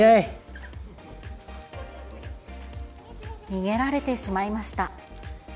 逃げられてしまいました。